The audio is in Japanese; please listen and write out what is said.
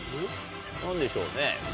何でしょうね。